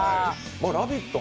「ラヴィット！」